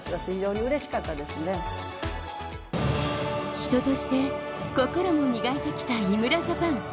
人として心も磨いてきた井村ＪＡＰＡＮ。